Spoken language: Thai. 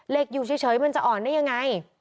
อยู่เฉยมันจะอ่อนได้ยังไง